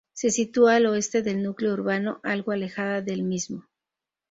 Se sitúa al oeste del núcleo urbano, algo alejada del mismo.